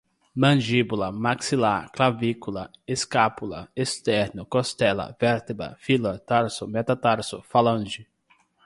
mandíbula, maxilar, clavícula, escápula, esterno, costela, vértebra, fíbula, tarso, metatarso, falange